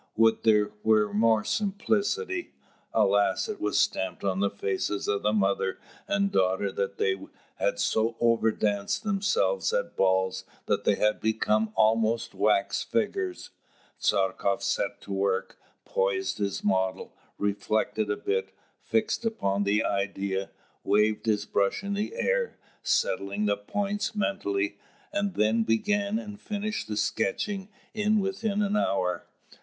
would there were more simplicity!" Alas, it was stamped on the faces of mother and daughter that they had so overdanced themselves at balls that they had become almost wax figures. Tchartkoff set to work, posed his model, reflected a bit, fixed upon the idea, waved his brush in the air, settling the points mentally, and then began and finished the sketching in within an hour.